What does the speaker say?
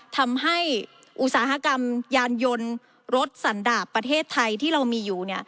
ทำให้อุตสาหกรรมยานยนต์รถสันดาบประเทศไทยที่เรามีอยู่